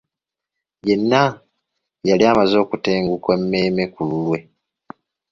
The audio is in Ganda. Yenna yali amaze okutenguka emmeeme ku lulwe.